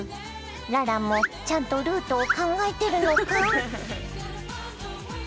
ララもちゃんとルートを考えてるのか！？